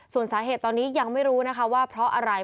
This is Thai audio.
ส่วนสาเหตุตอนนี้ยังไม่รู้นะคะว่าเพราะอะไร